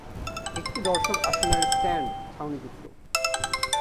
একটি দর্শক আসনের স্ট্যান্ড ছাউনীযুক্ত।